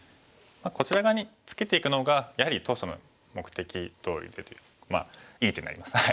こちら側にツケていくのがやはり当初の目的どおりでというまあいい手になります。